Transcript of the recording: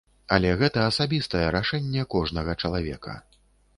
Але гэта асабістае рашэнне кожнага чалавека.